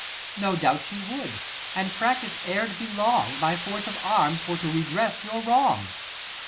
No doubt she would, and practise ere't be long, By force of arms for to redress your wrong.